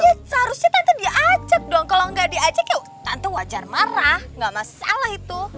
ya seharusnya tante diacek dong kalau nggak diajak ya tante wajar marah nggak masalah itu